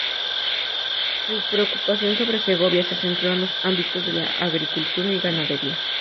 Su preocupación sobre Segovia se centró en los ámbitos de la agricultura y ganadería.